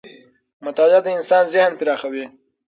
مطالعه د انسان ذهن پراخوي